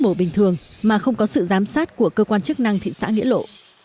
mổ bình thường mà không có sự giám sát của cơ quan chức năng thị xã nghĩa lộ